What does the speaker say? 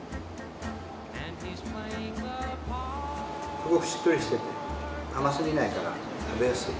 すごくしっとりしてて甘すぎないから食べやすい。